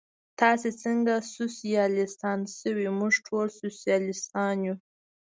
تاسې څنګه سوسیالیستان شوئ؟ موږ ټول سوسیالیستان یو.